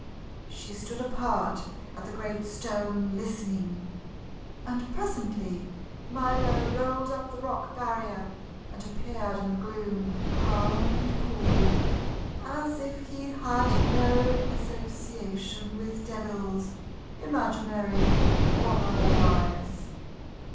She stood apart at the great stone, listening, and presently Milo rolled up the rock barrier, and appeared in the gloom, calm and cool as if he had no association with devils, imaginary or otherwise.